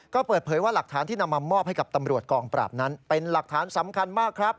ก็เปิดเผยว่าหลักฐานที่นำมามอบให้กับตำรวจกองปราบนั้นเป็นหลักฐานสำคัญมากครับ